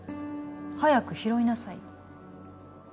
早く拾いなさいよ